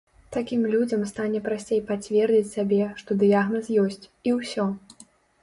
Такім людзям стане прасцей пацвердзіць сабе, што дыягназ ёсць, і ўсё!